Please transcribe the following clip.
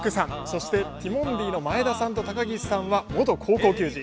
そして、ティモンディの前田さんと高岸さんは元高校球児。